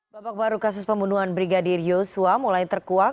babak baru kasus pembunuhan brigadir yosua mulai terkuak